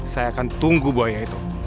saya akan tunggu buaya itu